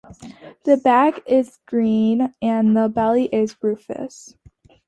The back is green and the belly is rufous.